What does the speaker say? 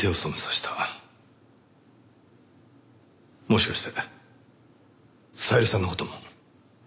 もしかして小百合さんの事も？